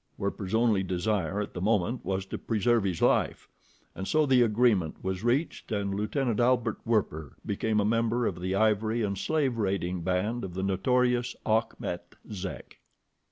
Werper's only desire at the moment was to preserve his life. And so the agreement was reached and Lieutenant Albert Werper became a member of the ivory and slave raiding band of the notorious Achmet Zek.